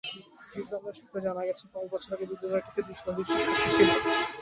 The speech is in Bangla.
বিদ্যালয় সূত্রে জানা গেছে, কয়েক বছর আগে বিদ্যালয়টিতে দুই শতাধিক শিক্ষার্থী ছিল।